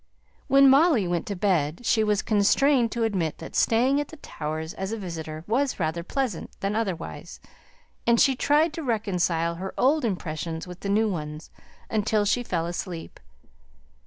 When Molly went to bed she was constrained to admit that staying at the Towers as a visitor was rather pleasant than otherwise; and she tried to reconcile old impressions with new ones, until she fell asleep.